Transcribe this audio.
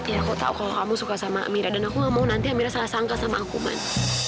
ya aku tau kalau kamu suka sama amira dan aku gak mau nanti amira salah sangka sama aku man